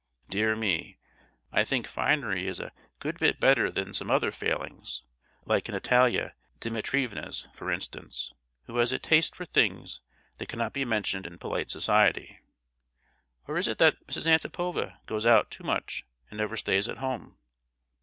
Dear me, I think finery is a good bit better than some other failings—like Natalia Dimitrievna's, for instance, who has a taste for things that cannot be mentioned in polite society. Or is it that Mrs. Antipova goes out too much, and never stays at home?